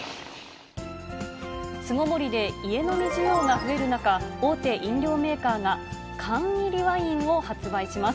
巣ごもりで家飲み需要が増える中、大手飲料メーカーが、缶入りワインを発売します。